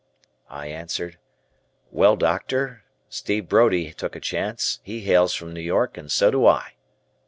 I answered: "Well, Doctor, Steve Brodie took a chance; he hails from New York and so do I."